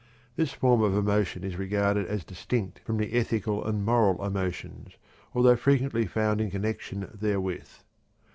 This form of emotion is regarded as distinct from the ethical and moral emotions, although frequently found in connection therewith.